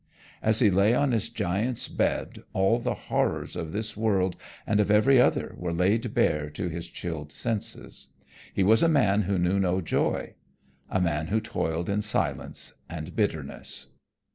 As he lay on his giant's bed all the horrors of this world and every other were laid bare to his chilled senses. He was a man who knew no joy, a man who toiled in silence and bitterness.